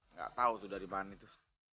nggak tahu itu dari mana itu